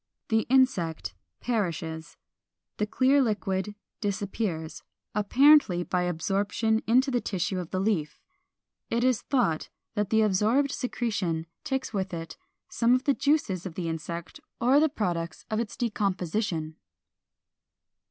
The insect perishes; the clear liquid disappears, apparently by absorption into the tissue of the leaf. It is thought that the absorbed secretion takes with it some of the juices of the insect or the products of its decomposition.